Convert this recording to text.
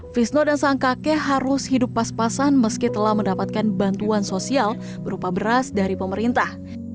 fishno dan sang kakek harus hidup pas pasan meski telah mendapatkan bantuan sosial berupa beras dari pemerintah